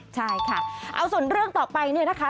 ใช่ค่ะเอาส่วนเรื่องต่อไปเนี่ยนะคะ